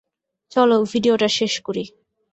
চলো, ভিডিওটা শেষ করি।